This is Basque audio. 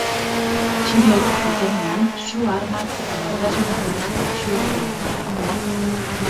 Atxilotu zutenean, su-armak eta nortasun agiri faltsua zeramatzan.